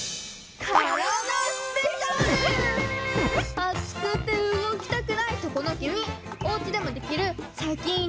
あつくてうごきたくないそこのきみおうちでもできるシャキーン！